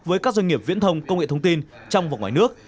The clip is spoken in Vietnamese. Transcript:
với các doanh nghiệp viễn thông công nghệ thông tin trong và ngoài nước